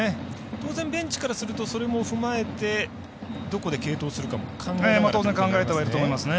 当然ベンチからするとそれも踏まえてどこで継投するかも考えながらですかね。